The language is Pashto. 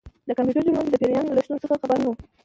د کمپیوټر جوړونکی د پیریان له شتون څخه خبر نه و